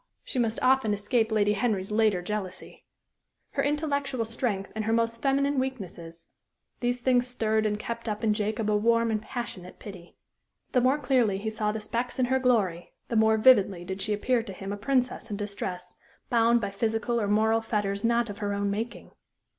she must often escape Lady Henry's later jealousy; her intellectual strength and her most feminine weaknesses; these things stirred and kept up in Jacob a warm and passionate pity. The more clearly he saw the specks in her glory, the more vividly did she appear to him a princess in distress, bound by physical or moral fetters not of her own making.